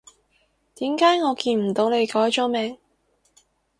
點解我見唔到你改咗名？